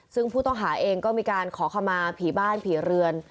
ซึ่งผู้ต้องหาเองก็มีการขอขมาผีบ้านผีเรือน